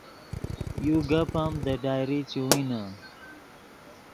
یو گپ ام دے ڈائری چے وینے